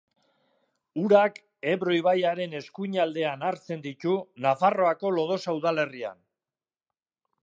Urak Ebro ibaiaren eskuinaldean hartzen ditu Nafarroako Lodosa udalerrian.